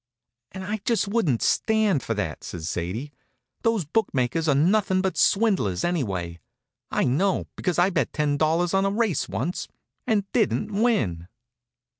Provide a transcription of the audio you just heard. "And I just wouldn't stand for that," says Sadie. "Those bookmakers are nothing but swindlers, anyway. I know, because I bet ten dollars on a race once, and didn't win."